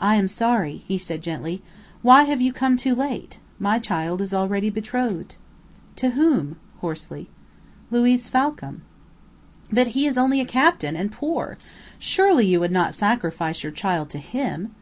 "I am sorry," he said gently. "Why have you come too late? My child is already betrothed." "To whom?" hoarsely. "Luiz Falcam." "But he is only a captain, and poor! Surely you would not sacrifice your child to him?